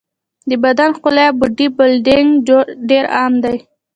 د بدن ښکلا یا باډي بلډینګ ډېر عام دی.